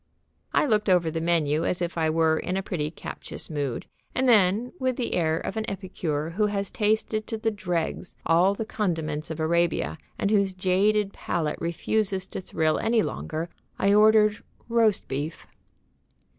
I looked over the menu as if I were in a pretty captious mood, and then, with the air of an epicure who has tasted to the dregs all the condiments of Arabia and whose jaded palate refuses to thrill any longer, I ordered "roast beef."